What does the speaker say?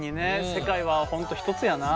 世界は本当一つやな。